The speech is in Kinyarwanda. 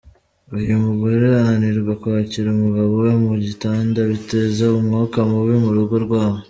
Iyo umugore ananirwa kwakira umugabo we mu gitanda, biteza umwuka mubi mu rugo rwabo.